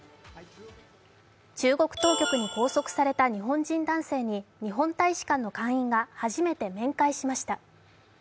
中国当局に拘束された日本人男性に日本大使館の館員が初めて面会しました。